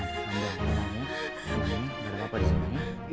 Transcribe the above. gak ada apa apa di sini